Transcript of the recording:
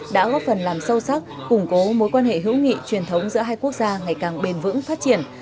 đã góp phần làm sâu sắc củng cố mối quan hệ hữu nghị truyền thống giữa hai quốc gia ngày càng bền vững phát triển